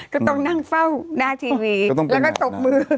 ก็ต้องนั่งเฝ้าหน้าทีวีแล้วก็ตบมือ